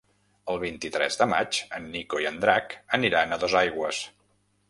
El vint-i-tres de maig en Nico i en Drac aniran a Dosaigües.